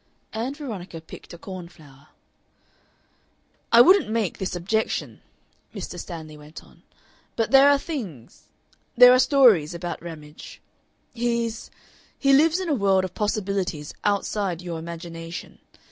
Ann Veronica picked a cornflower. "I wouldn't make this objection," Mr. Stanley went on, "but there are things there are stories about Ramage. He's He lives in a world of possibilities outside your imagination.